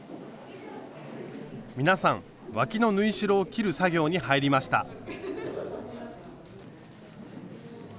皆さんわきの縫い代を切る作業に入りました。